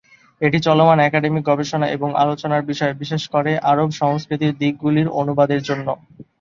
এটি চলমান একাডেমিক গবেষণা এবং আলোচনার বিষয়, বিশেষ করে আরব সংস্কৃতির দিকগুলির 'অনুবাদ' এর জন্য।